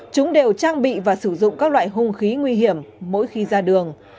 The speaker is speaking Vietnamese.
chúng đều trang bị và sử dụng các loại hung khí nguy hiểm mỗi khi ra đường